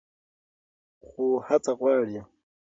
خو هڅه غواړي.